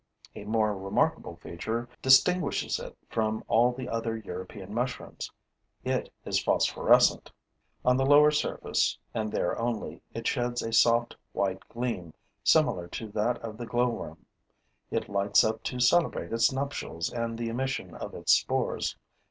A more remarkable feature distinguishes it from all the other European mushrooms: it is phosphorescent. On the lower surface and there only, it sheds a soft, white gleam, similar to that of the glowworm. It lights up to celebrate its nuptials and the emission of its spores.